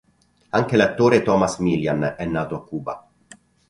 Anche l'attore Tomas Milian è nato a Cuba.